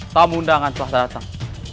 tamu undangan telah terdatang